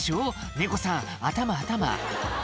猫さん頭頭